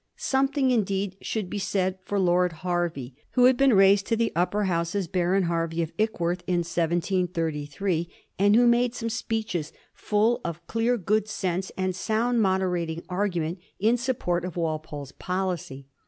Something, indeed, should be said for Lord Hervey, who had been raised to the Upper House as Baron Hervey of Ickworth in 1V33, and who made some speeches full of clear good sense and sound moderating argument in support of Walpole's policy.